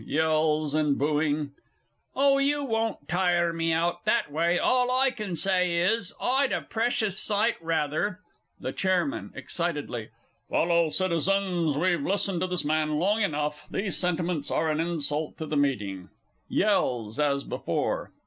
Yells and booing_). Oh, you won't tire me out that way. All I can say is, I'd a precious sight rather THE CHAIRMAN (excitedly). Fellow citizens, we've listened to this man long enough these sentiments are an insult to the meeting! [_Yells as before.